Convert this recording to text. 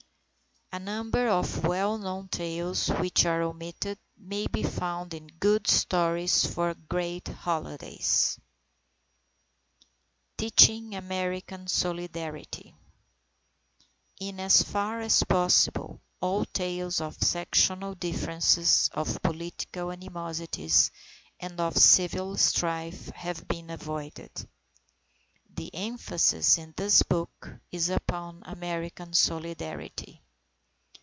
A number of well known tales which are omitted, may be found in Good Stories for Great Holidays. TEACHING AMERICAN SOLIDARITY In as far as possible, all tales of sectional differences, of political animosities, and of civil strife, have been avoided. The emphasis in this book is upon American Solidarity.